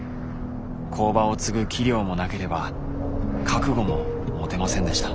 工場を継ぐ器量もなければ覚悟も持てませんでした。